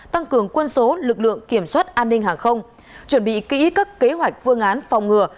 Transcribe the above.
tăng cường quân số lực lượng kiểm soát an ninh hàng không chuẩn bị kỹ các kế hoạch phương án phòng ngừa